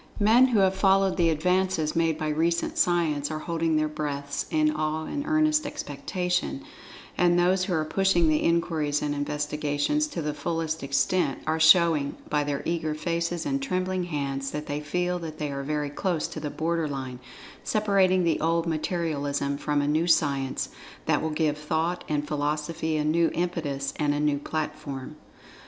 Men who have followed the advances made by recent Science are holding their breaths in awe and earnest expectation—and those who are pushing the inquiries and investigations to the furthest extent are showing by their eager faces and trembling hands that they feel that they are very close to the border line separating the old Materialism from a New Science that will give Thought and Philosophy a new[Pg 25] impetus and a new platform.